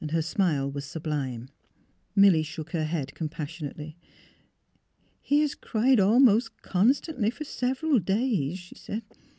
Her smile was sublime. Milly shook her head compassionately. *' He has cried almost constantly for several days," she said.